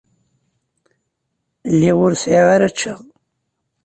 Lliɣ ur sɛiɣ ara ččeɣ.